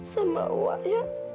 sama wak ya